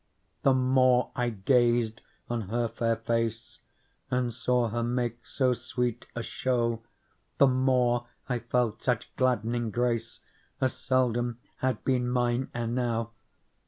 The more I gazed on her fair face. And saw her make so sweet a show. The more I felt such gladdening grace As seldom had been mine ere now.